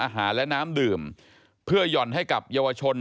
เพื่อย่อนให้กับเยาวชน